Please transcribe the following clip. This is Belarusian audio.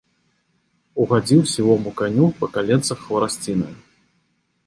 Угадзіў сівому каню па каленцах хварасцінаю.